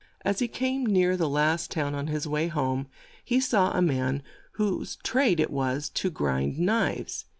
As he came near the last town on his way home, he saw a 130 HANS IN LUCK man whose trade it was to grind knives.